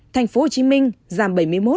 thành phố hồ chí minh giảm bảy mươi một